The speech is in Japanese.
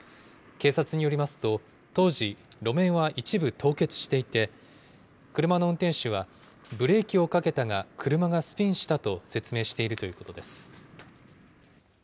警察によりますと、当時、路面は一部凍結していて、車の運転手は、ブレーキをかけたが、車がスピンしたと説明しているということです。